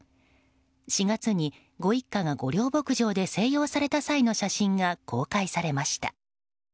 ４月に、ご一家が御料牧場で静養された際の写真が公開されました。